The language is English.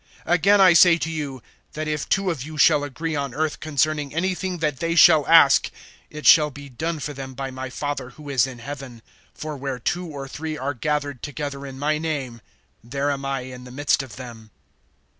(19)Again I say to you, that if two of you shall agree on earth, concerning any thing that they shall ask, it shall be done for them by my Father who is in heaven. (20)For where two or three are gathered together in my name, there am I in the midst of them.